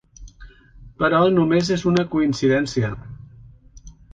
Però només és una coincidència.